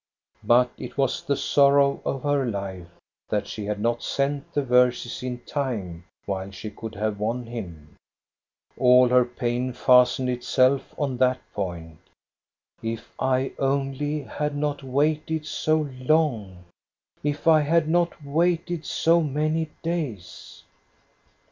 But it was the sorrow of her life that she had not sent the verses in time, while she could have won him. All her pain fastened itself on that point: "If I THE AUCTION AT BJORNE 1 67 only had not waited so long, if I had not waited so many days